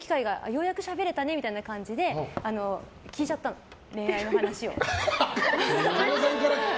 ようやくしゃべれたねみたいな感じで聞いちゃったの、恋愛の話を。